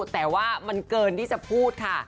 แต่ว่ามันเกินที่จะพูดค่ะ